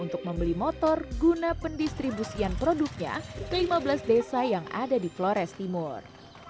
untuk membeli motor guna pendistribusian produknya ke lima belas desa yang ada di flores timur